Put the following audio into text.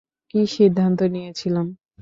কি সিদ্ধান্ত নিয়েছিলাম?